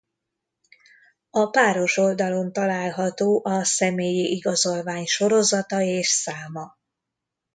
A páros oldalon található a személyi igazolvány sorozata és száma.